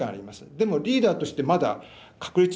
でもリーダーとしてまだ確立していません。